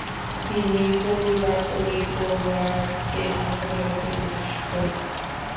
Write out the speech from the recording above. তিনি কলি বা কলির প্রভাবকে সম্পূর্ণরূপে বিনাশ করব।